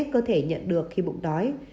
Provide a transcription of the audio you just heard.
cơ thể nhận được khi bụng đói